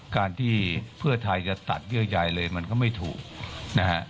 การที่เพื่อไทยจะตัดเยื่อใยเลยมันก็ไม่ถูกนะฮะ